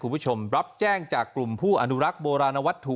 รับแจ้งจากกลุ่มผู้อนุรักษ์โบราณวัตถุ